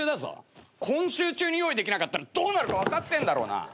今週中に用意できなかったらどうなるか分かってんだろうな？